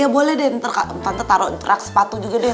boleh deh ntar tante taro rak sepatu juga deh